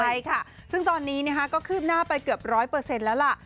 ใช่ค่ะซึ่งตอนนี้ก็คืบหน้าไปเกือบ๑๐๐แล้วล่ะ